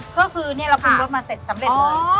ก็คือเราปรุงรสมาเสร็จสำเร็จเลย